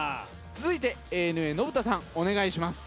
続いてＡＮＡ信田さんお願いします。